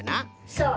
そう。